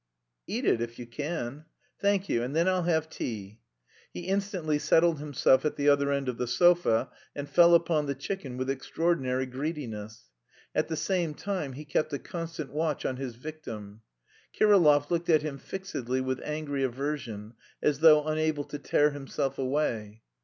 "Eat it if you can." "Thank you, and then I'll have tea." He instantly settled himself at the other end of the sofa and fell upon the chicken with extraordinary greediness; at the same time he kept a constant watch on his victim. Kirillov looked at him fixedly with angry aversion, as though unable to tear himself away.